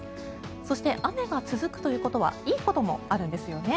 そして、雨が続くということはいいこともあるんですよね。